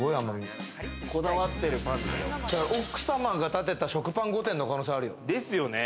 奥さまが建てた食パン御殿の可能性あるよ。